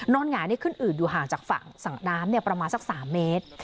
หงายนี่ขึ้นอืดอยู่ห่างจากฝั่งสระน้ำประมาณสัก๓เมตร